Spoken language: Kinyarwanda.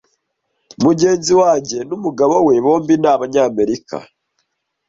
Mugenzi wanjye n'umugabo we bombi ni Abanyamerika.